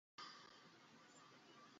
তোমাকে ছেড়ে কোথাও যাব না!